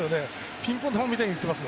ピンポン玉みたいに打ってます